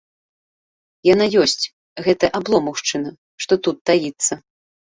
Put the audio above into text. Яна ёсць, гэтая абломаўшчына, што тут таіцца.